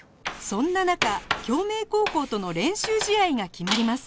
そんな中京明高校との練習試合が決まります